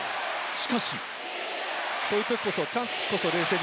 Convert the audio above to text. しかし。